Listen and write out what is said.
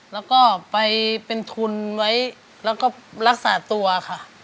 แล้วก็ไปเป็นทุนไว้แล้วก็รักษาตัวค่ะ